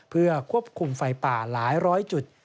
เพื่อควบคุมไฟป่าหลายร้อยจุด